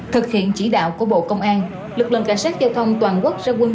thực hiện chỉ đạo của bộ công an lực lượng cảnh sát giao thông toàn quốc ra quân